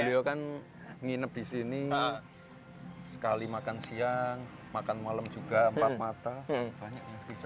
beliau kan nginep di sini sekali makan siang makan malam juga empat mata banyak yang bisa